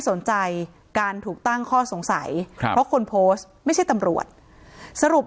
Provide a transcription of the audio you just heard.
สนใจการถูกตั้งข้อสงสัยครับเพราะคนโพสต์ไม่ใช่ตำรวจสรุป